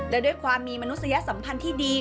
และด้วยความมีมนุษยสัมพันธ์ที่ดี